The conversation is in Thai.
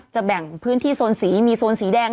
แบ่งพื้นที่โซนสีมีโซนสีแดง